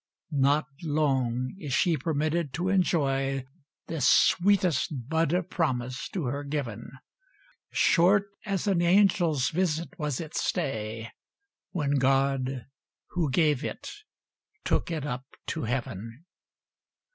Not long is she permitted to enjoy, This sweetest bud of promise to her given; Short as an angel's visit was its stay, When God, who gave it, took it up to heaven.